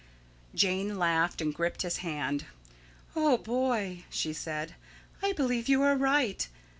Jane laughed, and gripped his hand. "Oh, boy," she said, "I believe you are right.